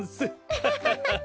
ハハハハハ！